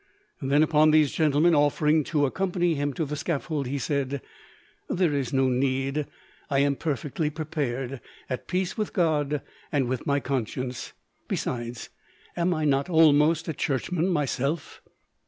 Then, upon these gentlemen offering to accompany him to the scaffold, he said, "There is no need; I am perfectly prepared, at peace with God and with my conscience. Besides, am I not almost a Churchman myself?"